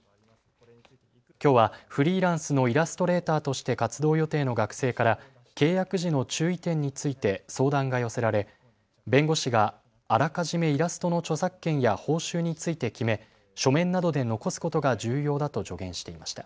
きょうはフリーランスのイラストレーターとして活動予定の学生から契約時の注意点について相談が寄せられ弁護士があらかじめイラストの著作権や報酬について決め書面などで残すことが重要だと助言していました。